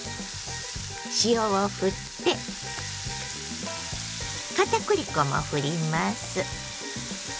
塩をふって片栗粉もふります。